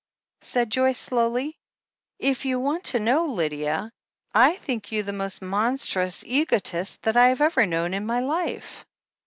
said Joyce slowly. "If you want to know, Lydia, I think you the most monstrous egotist that I have ever known in my life."